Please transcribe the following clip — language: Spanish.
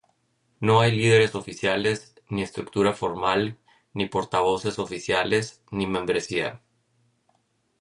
No hay líderes oficiales, ni estructura formal, ni portavoces oficiales, ni membresía.